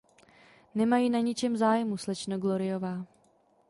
Nemají na ničem zájmu, slečno Gloryová.